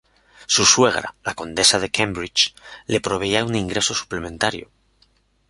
Su suegra, la Duquesa de Cambridge, les proveía un ingreso suplementario.